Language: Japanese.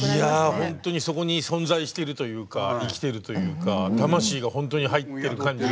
ほんとにそこに存在してるというか生きてるというか魂がほんとに入ってる感じが。